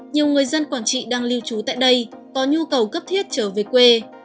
nhiều người dân quảng trị đang lưu trú tại đây có nhu cầu cấp thiết trở về quê